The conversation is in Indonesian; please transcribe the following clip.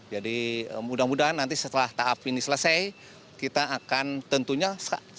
jadi mudah mudahan nanti setelah tahap ini selesai kita akan tentunya saat ini pun paralel